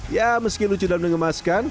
ya meski lucu dan mengemaskan